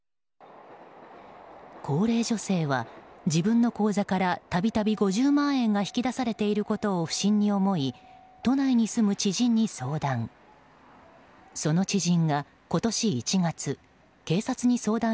高齢女性は、自分の口座から度々、５０万円が引き出されていることを不審に思い都内に住む知人に相談。